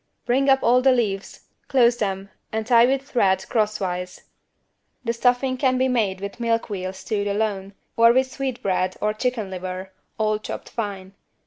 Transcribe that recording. Bring up all the leaves, close them and tie with thread crosswise. The stuffing can be made with milk veal stewed alone, or with sweetbread or chicken liver, all chopped fine.